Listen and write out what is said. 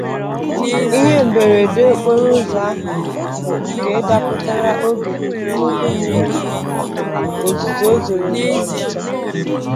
Ihe mberede okporoụzọ ahụ bụ nke dapụtara oge nnukwu mmiri ozuzo zòrò n'Ọnịtsha